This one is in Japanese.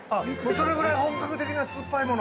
◆それぐらい本格的なすっぱいもの！？